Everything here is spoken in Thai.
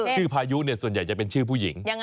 ชื่อพายุเนี่ยส่วนใหญ่จะเป็นชื่อผู้หญิง